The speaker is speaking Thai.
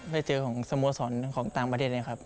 ได้เจอของสโมสรของต่างประเทศเลยครับ